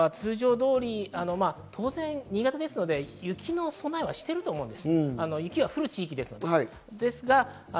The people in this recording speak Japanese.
通常通り当然、新潟ですので雪の備えはしてると思います。